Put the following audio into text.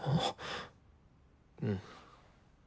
うん。